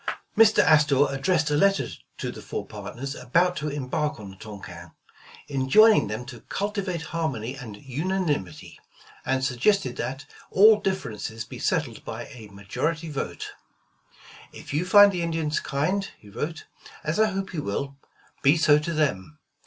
Mr. Astor addressed a letter to the four partners about to embark on the Tonquin, enjoining them to cultivate harmony and unanimity, and suggested that all differences be settled by a majority vote. "If you find the Indians kind," he wrote, "as I hope you will, be so to them.